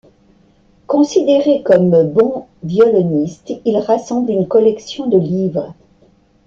Considéré comme bon violoniste, il rassemble une collection de livres.